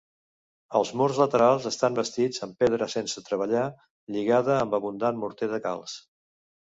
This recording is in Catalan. Els murs laterals estan bastits amb pedra sense treballar lligada amb abundant morter de calç.